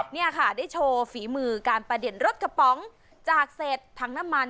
นี่ค่ะได้โชว์ฝีมือการประเด็นรถกระป๋องจากเศษถังน้ำมัน